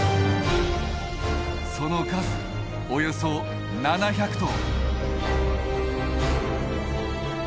その数およそ７００頭！